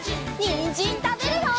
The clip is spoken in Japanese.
にんじんたべるよ！